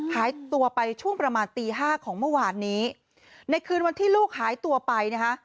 หายตัวไปช่วงประมาณตีห้าของเมื่อวานนี้ในคืนวันที่ลูกหายตัวไปนะคะ